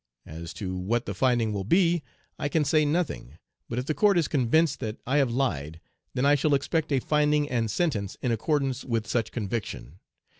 As to what the finding will be, I can say nothing; but if the court is convinced that I have lied, then I shall expect a finding and sentence in accordance with such conviction.